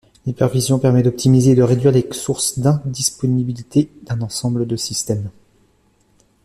L'hypervision permet d'optimiser et de réduire les sources d’indisponibilité d’un ensemble de systèmes.